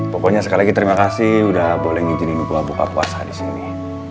pokoknya sekali lagi terima kasih udah boleh ngijinin gue buka puasa disini